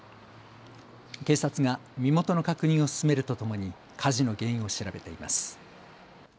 警察が身元の確認を進めるとともに火事の原因を調べています。